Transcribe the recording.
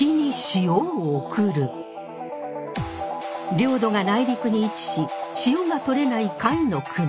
領土が内陸に位置し塩が取れない甲斐国。